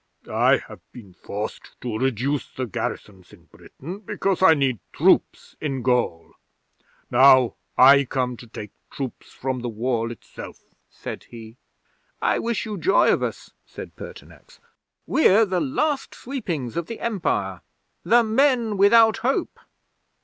'"I have been forced to reduce the garrisons in Britain, because I need troops in Gaul. Now I come to take troops from the Wall itself," said he. '"I wish you joy of us," said Pertinax. "We're the last sweepings of the Empire the men without hope.